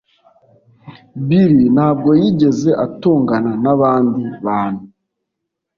bill ntabwo yigeze atongana nabandi bantu